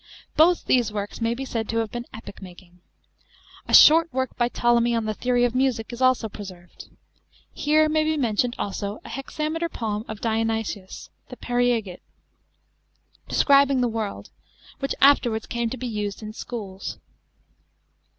Both these works may be said to have been epoch making. A short work by Ptolemy on the theory of music is also preserved. Here may be mentioned also a hexa meter poem of DIONYSIUS (" the Periegete " J) describing the world, which afterwards came to be used in schools.